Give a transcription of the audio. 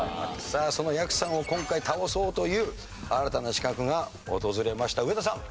さあそのやくさんを今回倒そうという新たな刺客が訪れました。